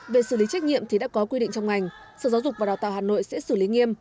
về xử lý trách nhiệm thì đã có quy định trong ngành sở giáo dục và đào tạo hà nội sẽ xử lý nghiêm